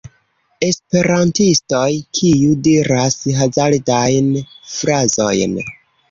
Esperantistoj kiu diras hazardajn frazojn